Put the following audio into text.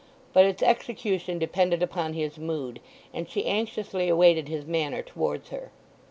But its execution depended upon his mood, and she anxiously awaited his manner towards her.